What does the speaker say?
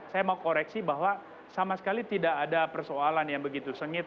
saya mau koreksi bahwa sama sekali tidak ada persoalan yang begitu sengit